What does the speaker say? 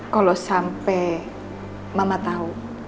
kalau sampe mama tau